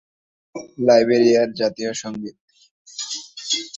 লাইবেরিয়ার জাতীয় সঙ্গীত।